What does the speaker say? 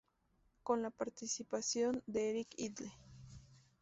Con la participación de Eric Idle.